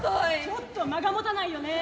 ちょっと間がもたないよね。